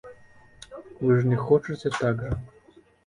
Вы ж не хочаце так жа?